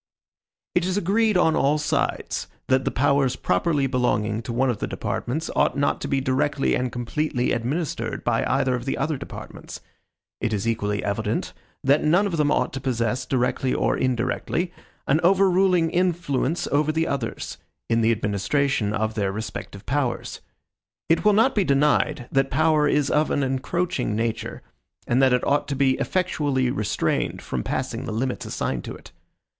It is agreed on all sides, that the powers properly belonging to one of the departments ought not to be directly and completely administered by either of the other departments. It is equally evident, that none of them ought to possess, directly or indirectly, an overruling influence over the others, in the administration of their respective powers. It will not be denied, that power is of an encroaching nature, and that it ought to be effectually restrained from passing the limits assigned to it.